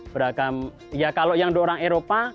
beragam ya kalau yang orang eropa